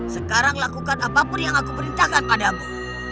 sekarang lakukan apapun yang aku perintahkan padamu